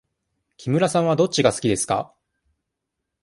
木村さんはどっちが好きですか。